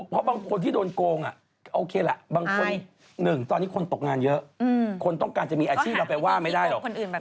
เพราะบางคนที่โดนโกงโอเคล่ะบางคน๑ตอนนี้คนตกงานเยอะคนต้องการจะมีอาชีพเราไปว่าไม่ได้หรอก